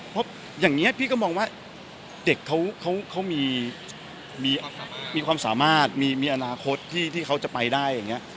เพราะอย่างนี้พี่ก็มองว่าเด็กเขามีความสามารถมีอนาคตที่เขาจะไปได้อย่างนี้